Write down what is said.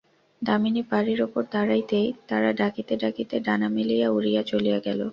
দামিনী পাড়ির উপর দাঁড়াইতেই তারা ডাকিতে ডাকিতে ডানা মেলিয়া উড়িয়া চলিয়া গেল।